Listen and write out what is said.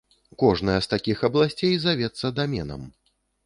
Кожная з такіх абласцей завецца даменам.